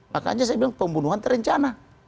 makanya saya bilang pembunuhan terencana